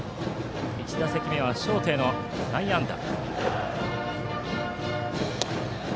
１打席目はショートへの内野安打。